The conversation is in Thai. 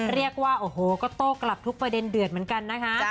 เรียกว่าโอ้โหก็โต้กลับทุกประเด็นเดือดเหมือนกันนะคะ